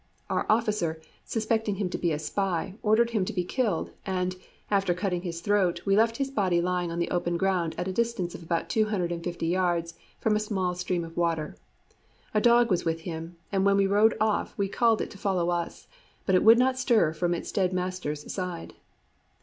Our officer, suspecting him to be a spy, ordered him to be killed, and, after cutting his throat, we left his body lying on the open ground at a distance of about two hundred and fifty yards from a small stream of water. A dog was with him, and when we rode off we called it to follow us, but it would not stir from its dead master's side.